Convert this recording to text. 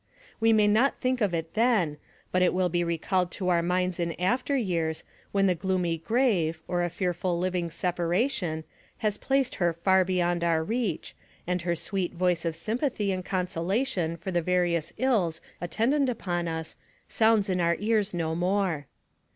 We may not think of it then, but it will be recalled to our minds in after years, when the gloomy grave, or a fearful living separation, has placed her far beyond our reach, and her sweet voice of sympathy and consolation for the various ills attendant upon us sounds in our ears no more.